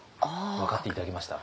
分かって頂けました？